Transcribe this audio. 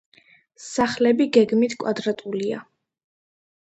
სახლები გეგმით კვადრატულია.